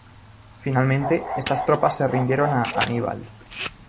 Finalmente, estas tropas se rindieron a Aníbal.